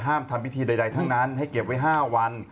ทำพิธีใดทั้งนั้นให้เก็บไว้๕วัน